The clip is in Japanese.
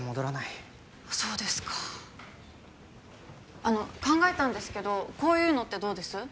あの考えたんですけどこういうのってどうです？